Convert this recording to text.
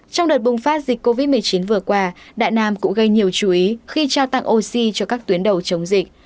trong đợt bùng phát dịch covid một mươi chín vừa qua đại nam cũng gây nhiều chú ý khi trao tặng oxy cho các tuyến đầu chống dịch